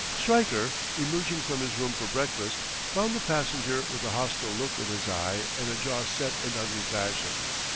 Stryker, emerging from his room for breakfast, found the passenger with a hostile look in his eye and a jaw set in ugly fashion.